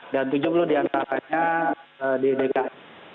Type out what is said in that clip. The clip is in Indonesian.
dan tujuh puluh diantaranya di dki